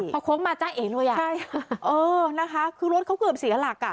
พอโค้งมาจ้าเอกเลยอ่ะคือรถเขาเกือบเสียหลักอ่ะ